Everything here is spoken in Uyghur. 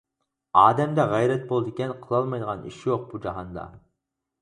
ئادەمدە غەيرەت بولىدىكەن قىلالمايدىغان ئىش يوق بۇ جاھاندا.